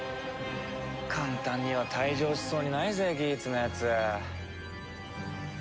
簡単には退場しそうにないぜギーツのやつ。